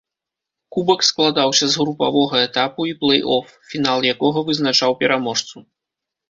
Кубак складаўся з групавога этапу і плэй-оф, фінал якога вызначаў пераможцу.